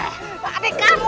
aku takut aku takut